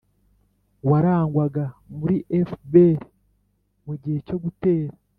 warangwaga muri fpr mu gihe cyo gutera.